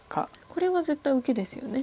これは絶対受けですよね。